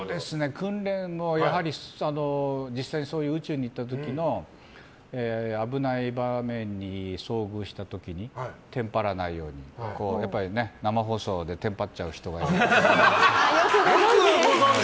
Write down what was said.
訓練も、やはり実際に宇宙に行った時の危ない場面に遭遇した時にテンパらないように生放送でテンパっちゃう人がいるから。